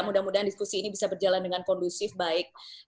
mudah mudahan diskusi ini bisa berjalan dengan kondusif baik